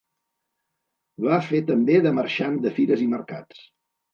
Va fer també de marxant de fires i mercats.